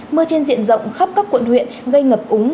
mưa trên diện rộng khắp các quận huyện gây ngập úng